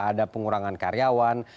ada pengurangan karyawan